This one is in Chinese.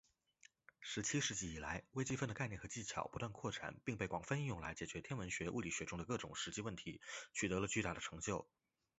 十七世纪以来，微积分的概念和技巧不断扩展并被广泛应用来解决天文学、物理学中的各种实际问题，取得了巨大的成就。